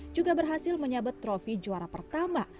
juga berhasil menyabet trofi juara pertama